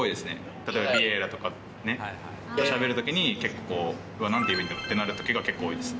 例えばビエイラとか、しゃべるときに結構、うわ、なんて言えばいいんだってなることが結構多いですね。